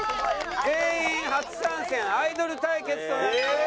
全員初参戦アイドル対決となっております。